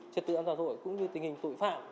trật tự an toàn xã hội cũng như tình hình tội phạm